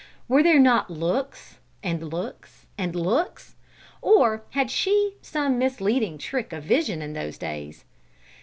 Were there not looks, and looks, and looks? Or had she some misleading trick of vision in those days?